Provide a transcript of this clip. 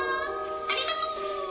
ありがとう！」